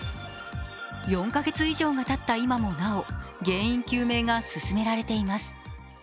４か月以上もたった今もなお原因究明が進められています。